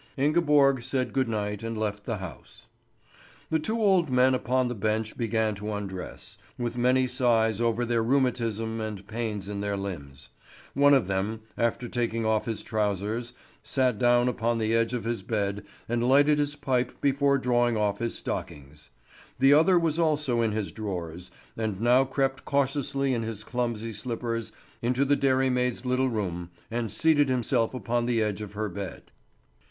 Ingeborg said good night and left the house. The two old men upon the bench began to undress, with many sighs over their rheumatism and pains in their limbs. One of them, after taking off his trousers, sat down upon the edge of his bed and lighted his pipe before drawing off his stockings. The other was also in his drawers, and now crept cautiously in his clumsy slippers into the dairymaid's little room, and seated himself upon the edge of her bed.